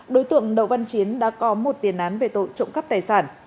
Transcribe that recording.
đối tượng đậu văn chiến đã có một tiền án về tội trộm cắp tài sản